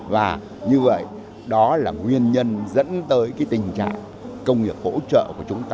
và như vậy đó là nguyên nhân dẫn tới cái tình trạng công nghiệp hỗ trợ của chúng ta